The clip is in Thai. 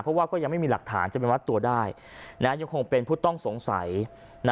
เพราะว่าก็ยังไม่มีหลักฐานจะไปมัดตัวได้ยังคงเป็นผู้ต้องสงสัยนะ